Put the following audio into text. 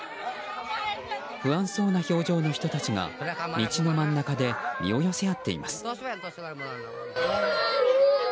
不安そうな表情の人たちが道の真ん中で身を寄せ合っています。